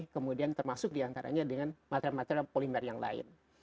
kemudian termasuk diantaranya dengan material material polimer yang lain